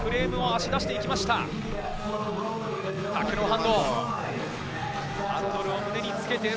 タックノーハンド。